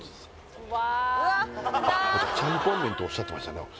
ちゃんぽん麺っておっしゃってましたね